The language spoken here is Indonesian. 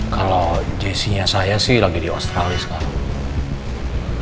kalau jessinya saya sih lagi di australia sekarang